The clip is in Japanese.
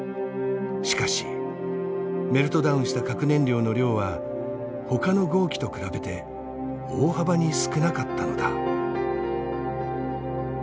しかしメルトダウンした核燃料の量はほかの号機と比べて大幅に少なかったのだ。